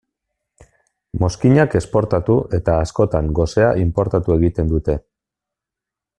Mozkinak esportatu eta askotan gosea inportatu egiten dute.